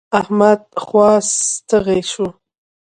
احمد خوا ستغی شو.